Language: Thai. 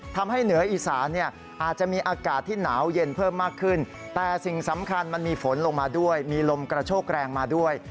ทำให้เหนืออีสานเนี่ยอาจจะมีอากาศที่หนาวเย็นเพิ่มมากขึ้นแต่สิ่งสำคัญมันมีฝนลงมาด้วยมีลมกระโชกแรงมาด้วย